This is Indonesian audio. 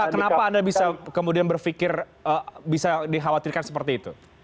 kenapa anda bisa kemudian berpikir bisa dikhawatirkan seperti itu